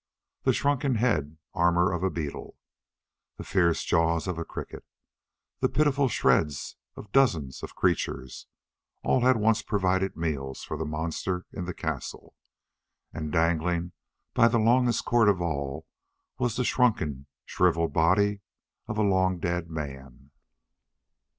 The shrunken head armor of a beetle, the fierce jaws of a cricket, the pitiful shreds of dozens of creatures all had once provided meals for the monster in the castle. And dangling by the longest cord of all was the shrunken, shriveled body of a long dead man.